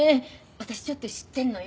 私ちょっと知ってるのよ。